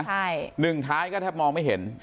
ใช่หนึ่งท้ายก็แทบมองไม่เห็น